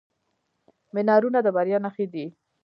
منارونه د بریا نښې دي.